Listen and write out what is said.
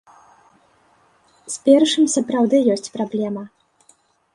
З першым сапраўды ёсць праблема.